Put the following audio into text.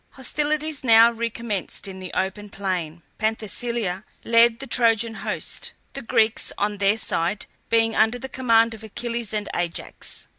Hostilities now recommenced in the open plain. Penthesilea led the Trojan host; the Greeks on their side being under the command of Achilles and Ajax.